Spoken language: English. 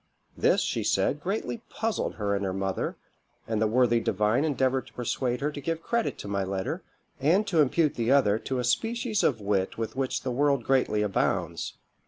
This, she said, greatly puzzled her and her mother, and the worthy divine endeavoured to persuade her to give credit to my letter, and to impute the other to a species of wit with which the world greatly abounds.